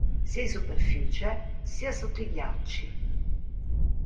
Sia in superficie sia sotto i ghiacci.